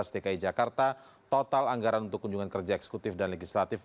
dki jakarta total anggaran untuk kunjungan kerja eksekutif dan legislatif